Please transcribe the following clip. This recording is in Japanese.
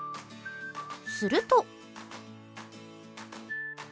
すると。